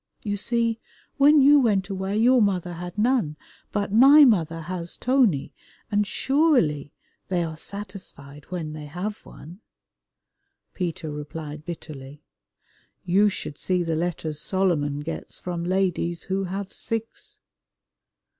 You see, when you went away your mother had none, but my mother has Tony, and surely they are satisfied when they have one." Peter replied bitterly, "You should see the letters Solomon gets from ladies who have six."